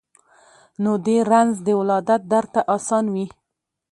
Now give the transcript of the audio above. نو دي رنځ د ولادت درته آسان وي